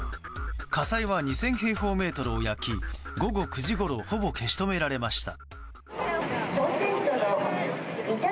火災は２０００平方メートルを焼き午後９時ごろほぼ消し止められました。